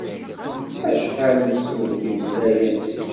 Acḥal nessuget imeslayen.